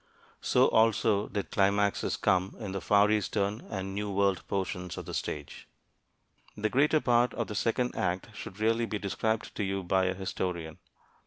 So also did climaxes come in the Far Eastern and New World portions of the stage. The greater part of the second act should really be described to you by a historian.